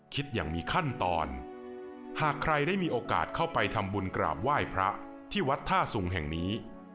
คิดอย่างมีขั้นตอนหากใครได้มีโอกาสเข้าไปทำบุญกราบไหว้พระที่วัดท่าสุงแห่งนี้